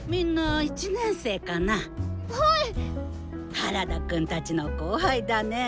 原田くんたちの後輩だね。